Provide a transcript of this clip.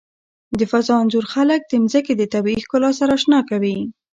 د فضا انځور خلک د ځمکې د طبیعي ښکلا سره آشنا کوي.